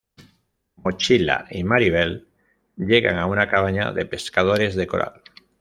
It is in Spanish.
Mochila y Mirabel llegan a una cabaña de pescadores de coral.